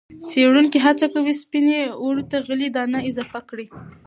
څېړونکي هڅه کوي سپینې اوړو ته غلې- دانه اضافه کړي.